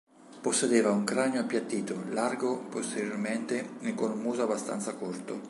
Possedeva un cranio appiattito, largo posteriormente e con un muso abbastanza corto.